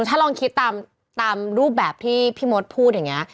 ถ้าลองคิดตามรูปแบบที่พี่มดพูดอย่างนี้